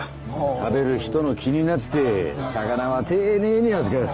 食べる人の気になって魚は丁寧に扱う。